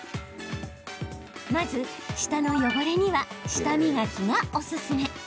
まず、舌の汚れには舌磨きがおすすめ。